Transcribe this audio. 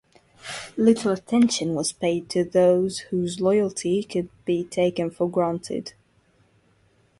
Little attention was paid to those whose loyalty could be taken for granted.